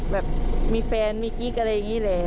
แบบมีแฟนมีกิ๊กอะไรอย่างนี้แหละ